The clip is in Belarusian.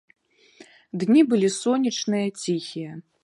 Дні былі сонечныя, ціхія.